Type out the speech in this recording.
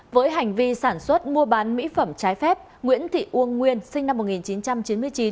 với hành vi sản xuất mua bán mỹ phẩm trái phép nguyễn thị uông nguyên sinh năm một nghìn chín trăm chín mươi chín